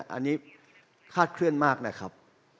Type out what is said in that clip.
อันนี้คลาดเคลื่อนมากนะครับ